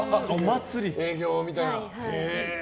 営業みたいな。